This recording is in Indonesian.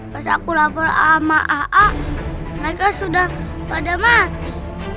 pas aku lapor sama aa mereka sudah pada mati